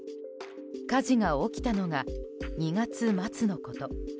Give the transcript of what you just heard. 火事が起きたのが２月末のこと。